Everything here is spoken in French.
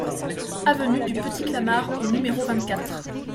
Avenue du Petit Clamart au numéro vingt-quatre